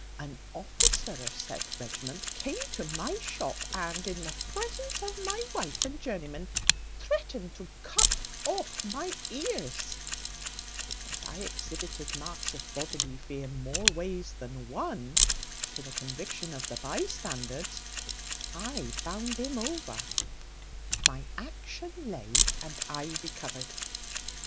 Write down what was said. An officer of said regiment came to my shop, and, in the presence of my wife and journeyman, threatened to cut off my ears As I exhibited marks of bodily fear more ways than one, to the conviction of the byestanders, I bound him over; my action lay, and I recovered.